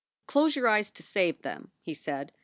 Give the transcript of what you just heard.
"Close your eyes, to save them," he said.